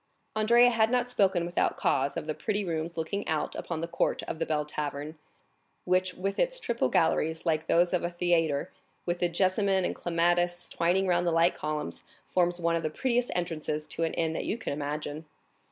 Andrea had not spoken without cause of the pretty rooms looking out upon the court of the Bell Hotel, which with its triple galleries like those of a theatre, with the jessamine and clematis twining round the light columns, forms one of the prettiest entrances to an inn that you can imagine.